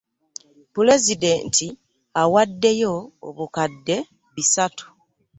Pulezidenti awaddeyo obukadde bisatu